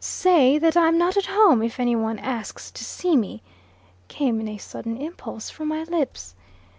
"Say that I'm not at home, if any one asks to see me," came in a sudden impulse from my lips.